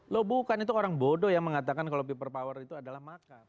loh bukan itu orang bodoh yang mengatakan kalau people power itu adalah makar